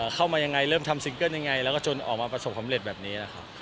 เข้ามายังไงเริ่มทำซิงเกิ้ลยังไงแล้วก็จนออกมาประสบความเร็จแบบนี้นะครับ